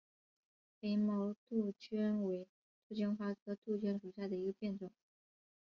凝毛杜鹃为杜鹃花科杜鹃属下的一个变种。